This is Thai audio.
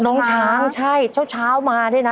น้องช้างใช่เช้ามาเนี่ยนะ